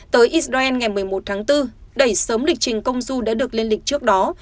tới israel ngày một mươi một tháng bốn đẩy sớm lịch trình công du đã được lên lịch trước đó